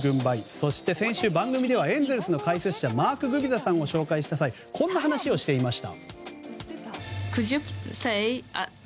そして先週、番組ではエンゼルスの解説者マーク・グビザさんを紹介した際こんな話をしていました。